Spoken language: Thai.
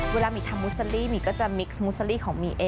เวลามีทำมุสซาลีมีก็จะมิกซ์มุสซาลีของมีเอ